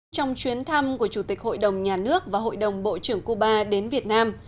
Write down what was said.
trong chuyến thăm của chủ tịch hội đồng nhà nước và hội đồng bộ trưởng cuba đến việt nam